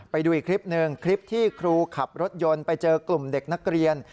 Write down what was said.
ไปดูอีกคลิปหนึ่งคลิปที่ครูขับรถยนต์ไปเจอกลุ่มเด็กนักเรียน